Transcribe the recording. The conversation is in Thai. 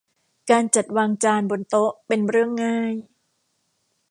การจัดวางจานบนโต๊ะเป็นเรื่องง่าย